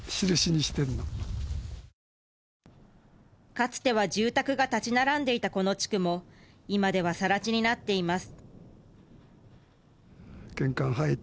かつては住宅が建ち並んでいたこの地区も今ではさら地になっています。